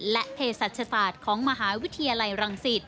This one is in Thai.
และเพสัตว์ศาสตร์ของมหาวิทยาลัยรังศิษฐ์